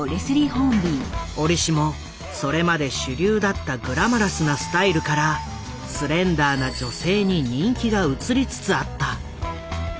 折しもそれまで主流だったグラマラスなスタイルからスレンダーな女性に人気が移りつつあった。